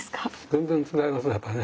全然違いますねやっぱりね。